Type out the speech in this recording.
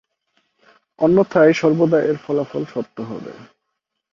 অনথ্যায় সর্বদা এর ফলাফল সত্য হবে।